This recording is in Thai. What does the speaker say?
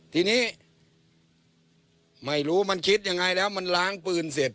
ทีนี้ไม่รู้มันคิดยังไงแล้วมันล้างปืนเสร็จ